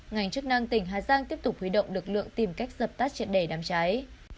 ngành chức năng tỉnh hà giang tiếp tục huy động lực lượng tìm cách dập tắt triệt đề đám cháy